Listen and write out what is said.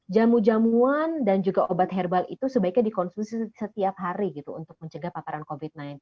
jamu jamuan dan juga obat herbal itu sebaiknya dikonsumsi setiap hari gitu untuk mencegah paparan covid sembilan belas